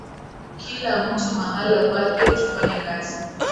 kila mtu mahala pake tufanye kazi